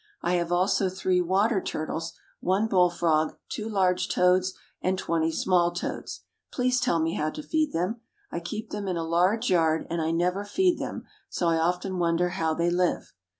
I have also three water turtles, one bull frog, two large toads, and twenty small toads. Please tell me how to feed them. I keep them in a large yard, and I never feed them, so I often wonder how they live.